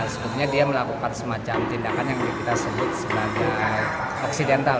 sebetulnya dia melakukan semacam tindakan yang kita sebut sebagai oksidental